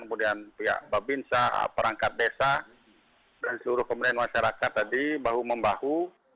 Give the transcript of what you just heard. kemudian pihak babinsa perangkat desa dan seluruh komponen masyarakat tadi bahu membahu